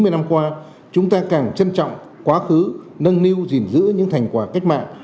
sáu mươi năm qua chúng ta càng trân trọng quá khứ nâng niu gìn giữ những thành quả cách mạng